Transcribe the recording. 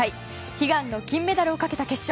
悲願の金メダルをかけた決勝。